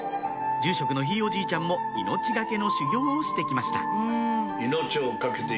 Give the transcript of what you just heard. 住職のひいおじいちゃんも命懸けの修行をして来ました